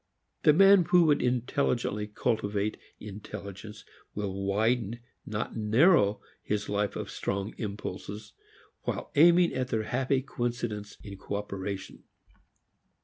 The man who would intelligently cultivate intelligence will widen, not narrow, his life of strong impulses while aiming at their happy coincidence in operation.